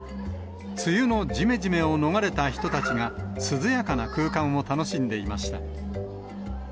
蒸し暑いので、涼しい気持ち梅雨のじめじめを逃れた人たちが、涼やかな空間を楽しんでいました。